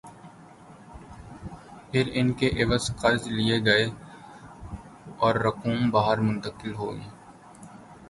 پھر ان کے عوض قرض لئے گئے اوررقوم باہر منتقل ہوئیں۔